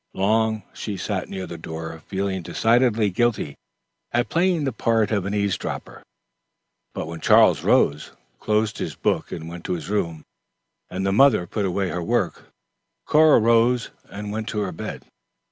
Long she sat near the door, feeling decidedly guilty at playing the part of an eavesdropper; but when Charles rose, closed his book and went to his room, and the mother put away her work, Cora rose and went to her bed.